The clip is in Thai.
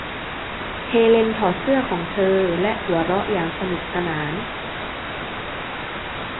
เฮเลนถอดเสื้อของเธอและหัวเราะอย่างสนุกสนาน